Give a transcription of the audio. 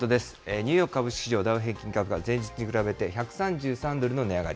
ニューヨーク株式市場、ダウ平均株価は、前日に比べて１３３ドルの値上がり。